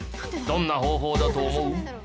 どんな方法だと思う？